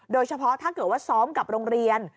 โดยเฉพาะถ้าเกิดว่าซ้อมกับโรงเรียน